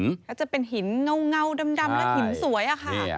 มันจะเป็นหินเงาดำและหินสวย